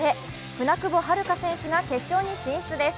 舟久保遥香選手が決勝に進出です。